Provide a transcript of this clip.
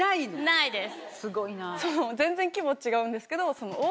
ないです。